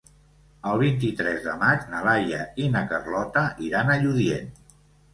El vint-i-tres de maig na Laia i na Carlota iran a Lludient.